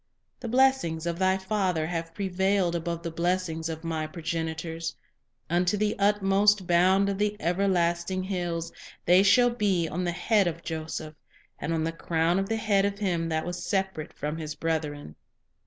. The blessings of thy father have prevailed Above the blessings of my progenitors Unto the utmost bound of the everlasting hills; They shall be on the head of Joseph, And on the crown of the head of him that was separate from his brethren."